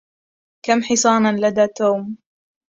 كم حصانا لدى توم؟